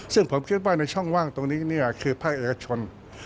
ซึ่งผมคิดว่าในช่องว่างตรงนี้คือภาคเอกชน